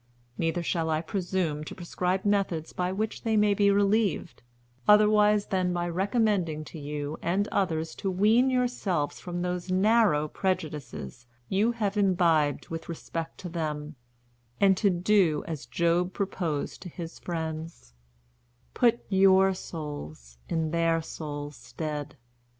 Neither shall I presume to prescribe methods by which they may be relieved, otherwise than by recommending to you and others to wean yourselves from those narrow prejudices you have imbibed with respect to them, and to do as Job proposed to his friends, 'Put your souls in their souls' stead.'